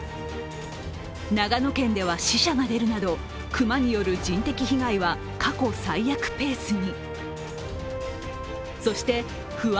長野県では死者が出るなど、熊による人的被害は過去最悪ペースに。